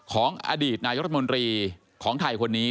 ของอดีตนายรัฐมนตรีของไทยคนนี้